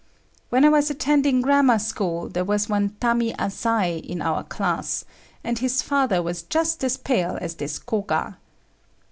When I was attending grammar school, there was one Tami Asai in our class, and his father was just as pale as this Koga.